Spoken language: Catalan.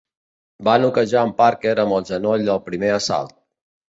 Va noquejar en Parker amb el genoll al primer assalt.